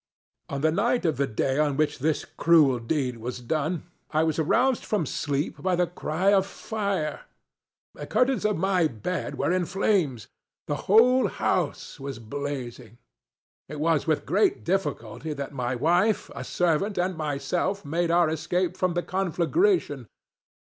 On the night of the day on which this cruel deed was done, I was aroused from sleep by the cry of fire. The curtains of my bed were in flames. The whole house was blazing. It was with great difficulty that my wife, a servant, and myself, made our escape from the conflagration.